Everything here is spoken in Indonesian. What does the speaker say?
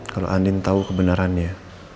kalau andin tau kebenarannya